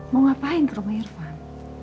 mau ngapain ke rumah irfan